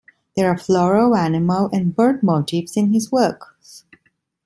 There are floral, animal, and bird motifs in his works.